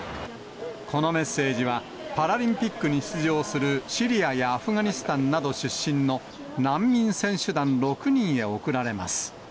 このメッセージは、パラリンピックに出場するシリアやアフガニスタンなど出身の難民選手団６人へ贈られます。